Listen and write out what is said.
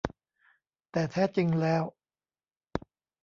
แต่แท้จริงแล้ว